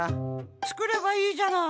つくればいいじゃない。